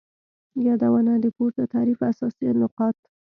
یادونه : د پورته تعریف اساسی نقاط